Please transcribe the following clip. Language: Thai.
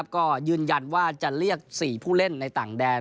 ก็ยืนยันว่าจะเรียก๔ผู้เล่นในต่างแดน